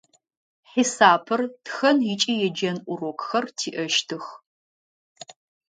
Хьисапыр, тхэн ыкӏи еджэн урокхэр тиӏэщтых.